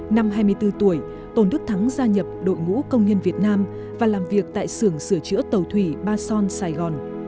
năm hai mươi bốn tuổi tôn đức thắng gia nhập đội ngũ công nhân việt nam và làm việc tại sưởng sửa chữa tàu thủy ba son sài gòn